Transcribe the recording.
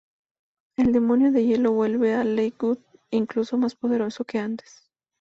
El demonio de hielo vuelve a Lakewood incluso más poderoso que antes.